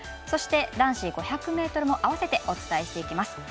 そして男子５００ｍもあわせてお伝えしていきます。